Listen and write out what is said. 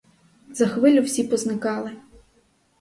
За хвилю всі позникали.